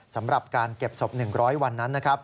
สำหรับการเก็บศพ๑๐๐วันนั้นนะครับ